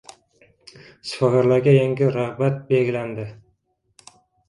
Shifokorlarga yangi rag‘bat belgilandi